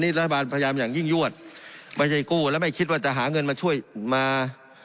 รัฐบาลพยายามอย่างยิ่งยวดไม่ใช่กู้แล้วไม่คิดว่าจะหาเงินมาช่วยมา